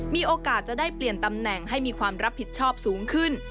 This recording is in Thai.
มีโอกาสจะได้เปลี่ยนตำแหน่งให้มีความรับผิดชอบสูงขึ้น